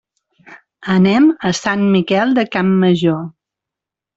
Anem a Sant Miquel de Campmajor.